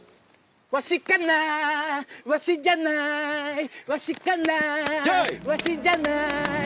わしかなわしじゃないわしかなわしじゃない